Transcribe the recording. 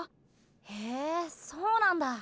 へぇそうなんだ。